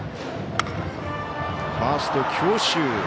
ファースト強襲。